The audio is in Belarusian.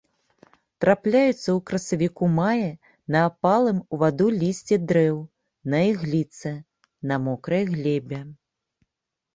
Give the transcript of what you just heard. Трапляецца ў красавіку-маі на апалым у ваду лісці дрэў, на ігліцы, на мокрай глебе.